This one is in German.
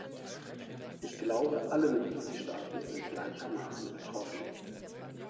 Ich glaube, alle Mitgliedstaaten sind gleichermaßen betroffen.